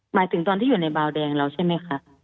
หมายถึงตอนที่อยู่ในบาวแดงเราใช่ไหมคะ